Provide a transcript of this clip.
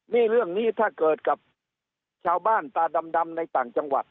นี่เรื่องนี้ถ้าเกิดกับชาวบ้านตาดำในต่างจังหวัด